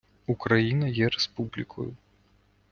Україна є республікою.